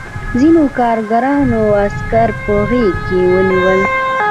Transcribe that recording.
ځینو کارګرانو عسکر په غېږ کې ونیول